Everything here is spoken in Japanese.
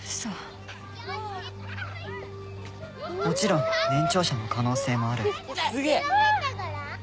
もちろん年長者の可能性もある。